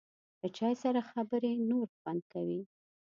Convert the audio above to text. له چای سره خبرې نور خوند کوي.